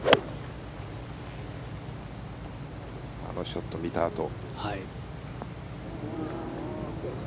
あのショットを見たあと。